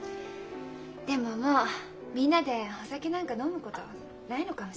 でももうみんなでお酒なんか飲むことないのかもしれないな。